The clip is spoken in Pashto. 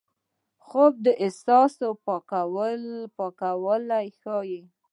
خوب د احساس پاکوالی ښيي